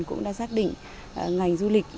cũng đã xác định